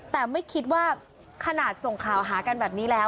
แต่ไม่คิดว่าขนาดส่งข่าวหากันแบบนี้แล้ว